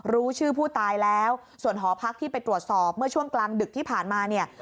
รู้ชื่อผู้ตายแล้วส่วนหอพักที่ไปตรวจสอบเมื่อช่วงกลางดึกที่ผ่านมาเนี่ย